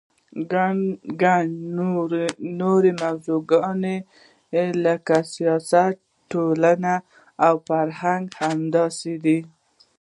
ګڼې نورې موضوعګانې لکه سیاست، ټولنه او فرهنګ همداسې دي.